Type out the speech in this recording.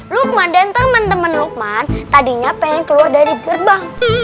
lukman dan teman teman lukman tadinya pengen keluar dari gerbang